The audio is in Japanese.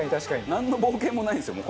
なんの冒険もないんですよ